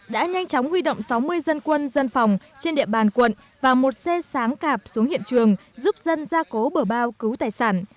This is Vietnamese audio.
đã nhanh chóng huy động sáu mươi dân quân dân phòng trên địa bàn quận và một xe sáng cạp xuống hiện trường giúp dân ra cố bờ bao cứu tài sản